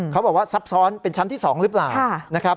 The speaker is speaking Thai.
เขาบอกว่าทรัพย์ซ้อนเป็นชั้นที่๒หรือเปล่า